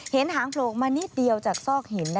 เห็นหางโผลกมานิดเดียวจากซอกหินนะคะ